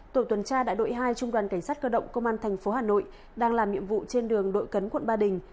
tổ tuần tra đại đội hai trung đoàn cảnh sát cơ động công an tp hà nội đang làm nhiệm vụ trên đường đội cấn quận ba đình